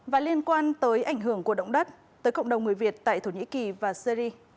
và liên quan tới ảnh hưởng của động đất tới cộng đồng người việt tại thổ nhĩ kỳ và syri